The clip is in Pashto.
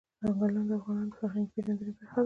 ځنګلونه د افغانانو د فرهنګي پیژندنې برخه ده.